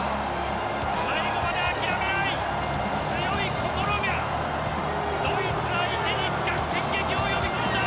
最後まで諦めない強い心がドイツ相手に逆転劇を呼び込んだ！